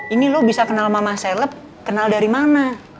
ini lo bisa kenal mama seleb kenal dari mana